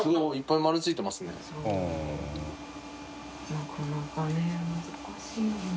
なかなかね難しいよね。